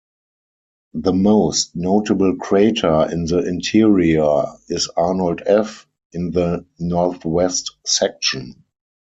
The most notable crater in the interior is Arnold F, in the northwest section.